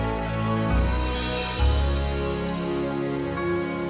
ini anak cuma